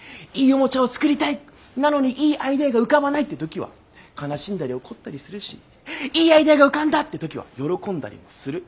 なのにいいアイデアが浮かばないって時は悲しんだり怒ったりするしいいアイデアが浮かんだって時は喜んだりもする。